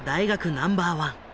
ナンバーワン。